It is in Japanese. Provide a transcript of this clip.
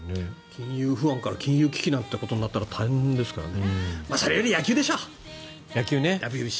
金融不安から金融危機なんてことになったら大変ですからね。